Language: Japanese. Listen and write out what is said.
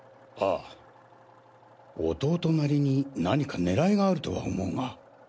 ああ弟なりに何か狙いがあるとは思うが。